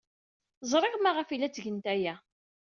Ẓriɣ maɣef ay la ttgent aya.